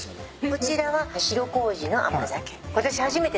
こちらは白こうじの甘酒。